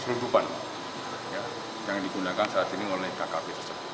serutupan yang digunakan saat ini oleh kkp